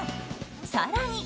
更に。